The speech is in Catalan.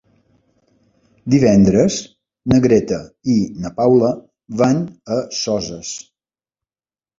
Divendres na Greta i na Paula van a Soses.